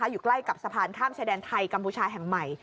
อยู่ใกล้กับสะพานข้ามชายแดนไทยกัมพูชาแห่งใหม่